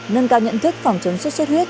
nâng cao nhận thức phòng chống suốt suốt huyết